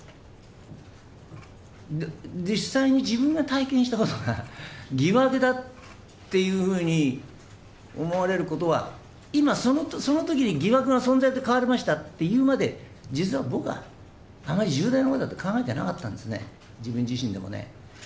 実際に自分が体験したことが、疑惑だっていうふうに思われることは、今そのときに疑惑が存在に変わりましたっていうまで実は僕は、あまり重大なことだと考えていなかったんですね、自分自身でもね。